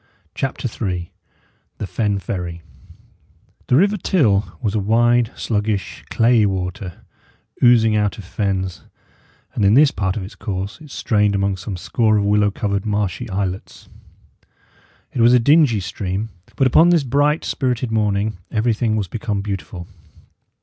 CHAPTER III THE FEN FERRY The river Till was a wide, sluggish, clayey water, oozing out of fens, and in this part of its course it strained among some score of willow covered, marshy islets. It was a dingy stream; but upon this bright, spirited morning everything was become beautiful.